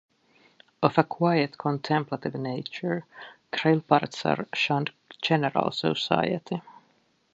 Of a quiet contemplative nature, Grillparzer shunned general society.